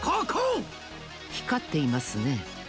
ひかっていますね。